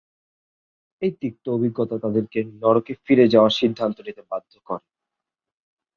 এই তিক্ত অভিজ্ঞতা তাদেরকে নরকে ফিরে যাওয়ার সিদ্ধান্ত নিতে বাধ্য করে।